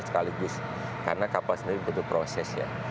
sekaligus karena kapal sendiri butuh prosesnya